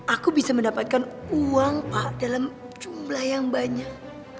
aku bisa mendapatkan uang pak dalam jumlah yang banyak